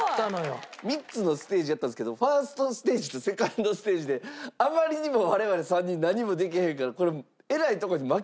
すごい！３つのステージやったんですけど１ｓｔステージと２ｎｄステージであまりにも我々３人何もできへんから。